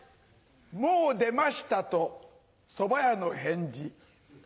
もう出ましたと蕎麦屋の返事。